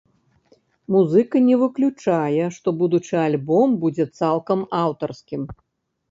Музыка не выключае, што будучы альбом будзе цалкам аўтарскім.